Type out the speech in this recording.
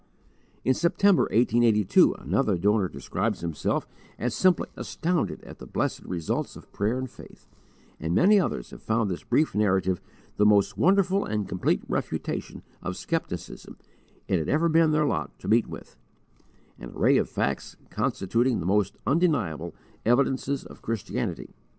In September, 1882, another donor describes himself as "simply astounded at the blessed results of prayer and faith," and many others have found this brief narrative "the most wonderful and complete refutation of skepticism it had ever been their lot to meet with" an array of facts constituting the most undeniable "evidences of Christianity."